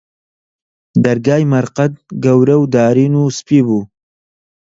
دەرگای مەرقەد، گەورە و دارین و سپی بوو